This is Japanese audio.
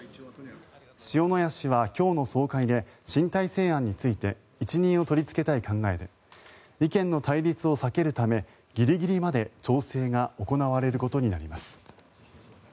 塩谷氏は今日の総会で新体制案について一任を取りつけたい考えで意見の対立を避けるためギリギリまで調整が行われることになります。